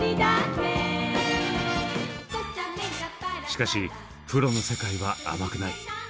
しかしプロの世界は甘くない。